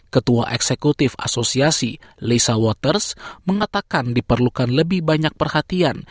ketua eksekutif asosiasi lesa waters mengatakan diperlukan lebih banyak perhatian